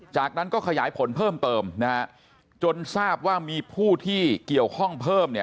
จากนั้นก็ขยายผลเพิ่มเติมนะฮะจนทราบว่ามีผู้ที่เกี่ยวข้องเพิ่มเนี่ย